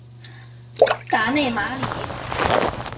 达讷马里。